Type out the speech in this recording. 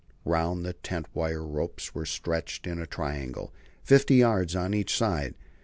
Round the tent wire ropes were stretched in a triangle, fifty yards on each side.